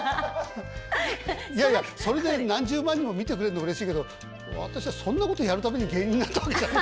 いやいやそれで何十万人も見てくれるのうれしいけど私はそんなことやるために芸人になったわけじゃない。